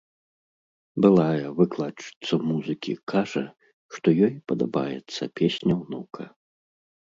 Былая выкладчыца музыкі кажа, што ёй падабаецца песня ўнука.